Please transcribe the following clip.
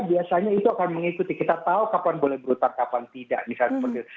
biasanya itu akan mengikuti kita tahu kapan boleh berhutang kapan tidak misalnya seperti itu